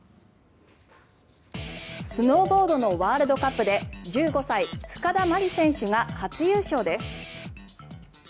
スノーボードのワールドカップで１５歳、深田茉莉選手が初優勝です。